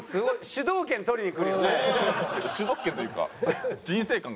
主導権というか。